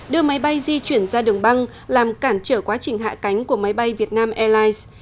đưa máy bay di chuyển ra đường băng làm cản trở quá trình hạ cánh của máy bay vietnam airlines